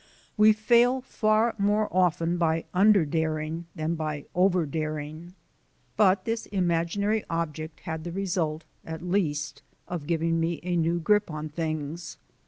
We fail far more often by under daring than by over daring. But this imaginary object had the result, at least, of giving me a new grip on things.